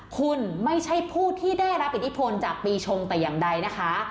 คุณไม่ใช่ผู้ที่ได้รับอิทธิพลจากปีชงแต่อย่างใดนะคะ